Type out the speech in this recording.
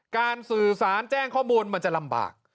สื่อสารแจ้งข้อมูลมันจะลำบาก